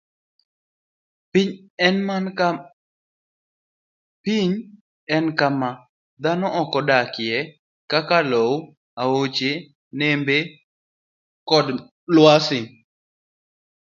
Piny en kama dhano odakie, kaka lowo, aoche, nembe, kod kor lwasi.